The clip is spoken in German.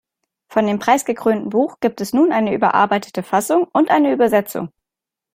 Von dem preisgekrönten Buch gibt es nun eine überarbeitete Fassung und eine Übersetzung.